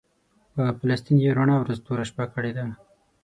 په فلسطین یې رڼا ورځ توره شپه کړې ده.